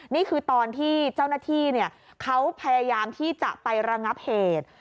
นี่คือตอนที่เจ้าหน้าที่เขาพยายามที่จะไประงับเหตุ